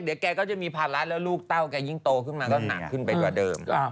เดี๋ยวแกก็จะมีภาระแล้วลูกเต้าแกยิ่งโตขึ้นมาก็หนักขึ้นไปกว่าเดิม